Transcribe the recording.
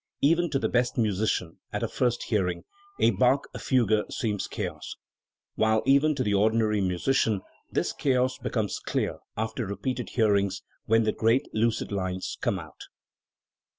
Even to the best musician, at a first hearing, a Bach fugue seems chaos; while even to the or dinary musician this chaos becomes clear after repeated hearings, when the great lucid lines come out.